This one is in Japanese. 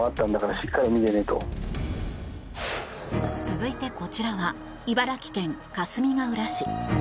続いて、こちらは茨城県かすみがうら市。